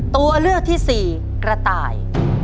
ตัวเลือกที่สี่กระต่าย